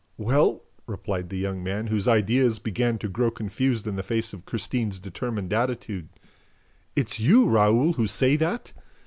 "Well! ..." replied the young man, whose ideas began to grow confused in the face of Christine's determined attitude. "It's you, Raoul, who say that?